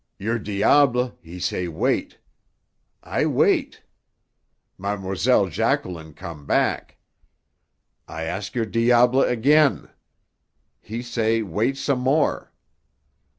Your diable he say wait. I wait. Mlle. Jacqueline come back. I ask your diable again. He say wait some more.